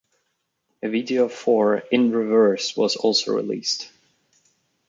A video for "In Reverse" was also released.